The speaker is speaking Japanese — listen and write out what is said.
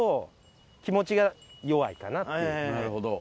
なるほど。